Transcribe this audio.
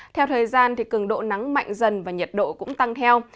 theo thời gian cường độ nắng mạnh dần và nhiệt độ cũng tăng theo